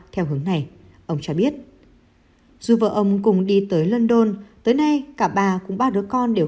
theo hướng này ông cho biết dù vợ ông cùng đi tới london tới nay cả bà cùng ba đứa con đều